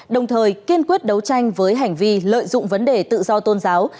đồng thời kiên quyết đấu tranh với hành vi lợi dụng vấn đề tự do tôn giáo